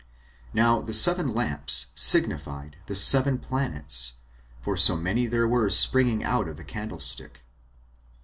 Now the seven lamps signified the seven planets; for so many there were springing out of the candlestick.